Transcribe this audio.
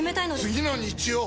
次の日曜！